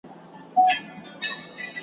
شابه راته ذکر لږ ددوی د شوګیرو وکړه